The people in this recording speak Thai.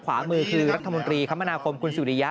ขวามือคือรัฐมนตรีคมนาคมคุณสุริยะ